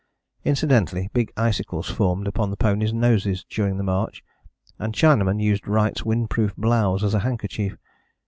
Incidentally big icicles formed upon the ponies' noses during the march and Chinaman used Wright's windproof blouse as a handkerchief.